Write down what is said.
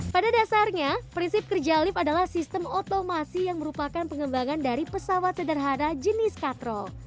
pada dasarnya prinsip kerja lift adalah sistem otomasi yang merupakan pengembangan dari pesawat sederhana jenis katrol